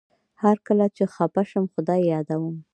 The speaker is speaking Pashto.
هر کله چي خپه شم خدای يادوم